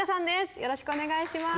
よろしくお願いします。